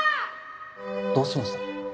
どうしました？